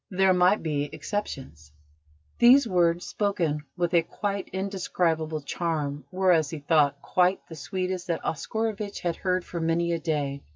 There might be exceptions." These words, spoken with a quite indescribable charm, were, as he thought, quite the sweetest that Oscarovitch had heard for many a day.